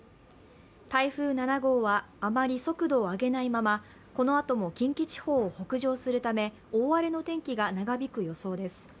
台風７号はあまり速度を上げないままこのあとも近畿地方を北上するため大荒れの天気が長引く予想です。